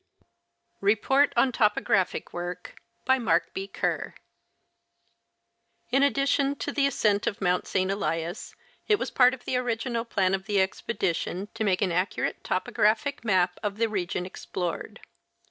REPORT ON TOPOGRAPHIC WORK. BY MARK B. KERE. In addition to the ascent of Mount St. Elias, it was part of the original plan of the expedition to make an accurate topographic map of the region explored.